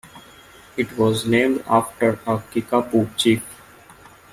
It was named after a Kickapoo chief.